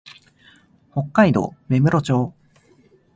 北海道芽室町